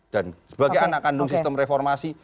dan sebagai anak kandung sistem reformasi